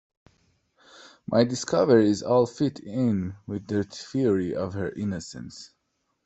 My discoveries all fit in with the theory of her innocence.